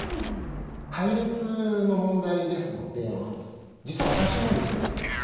配列の問題ですので実は私もですね